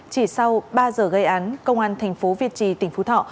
chỉ sau ba giờ gây án công an thành phố việt trì tỉnh phú thọ